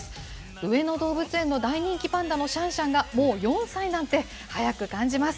上野動物園の大人気パンダのシャンシャンがもう４歳なんて、早く感じます。